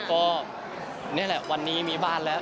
ก็นี่แหละวันนี้มีบ้านแล้ว